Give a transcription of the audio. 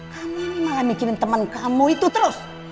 kamu ini malah mikirin teman kamu itu terus